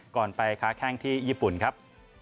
ไปค้าแข้งที่ญี่ปุ่นครับ